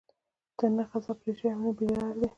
نه غضب پرې شوى او نه بې لاري دي.